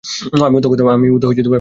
ওহো আমিও খতম!